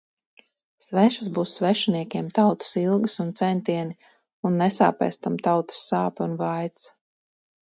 Svešas būs svešniekiem tautas ilgas un centieni un nesāpēs tam tautas sāpe un vaids.